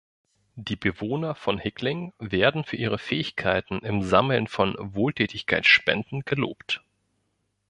Die Bewohner von Hickling werden für ihre Fähigkeiten im Sammeln von Wohltätigkeitsspenden gelobt.